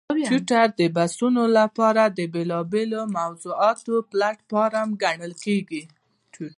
ټویټر د بحثونو لپاره د بېلابېلو موضوعاتو پلیټفارم ګڼل کېږي.